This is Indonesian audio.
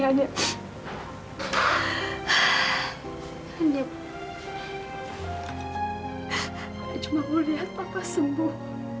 ayah cuma mau liat papa sembuh